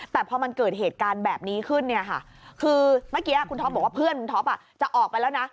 แต่พอมันเกิดเหตุการณ์แบบนี้ขึ้นเนี่ยค่ะคือเมื่อกี้คุณท็อปบอกว่าเพื่อนคุณท็อปจะออกไปแล้วนะ